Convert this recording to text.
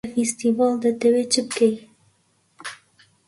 تۆ لە فێستیڤاڵ دەتەوێ چ بکەی؟